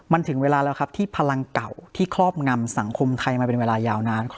มันถึงเวลาแล้วครับที่พลังเก่าที่ครอบงำสังคมไทยมาเป็นเวลายาวนาน